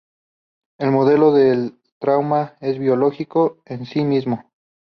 El modelo del trauma es biológico en sí mismo.